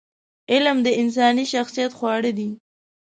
علم د انساني شخصیت خواړه دي.